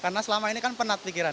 karena selama ini kan penat pikiran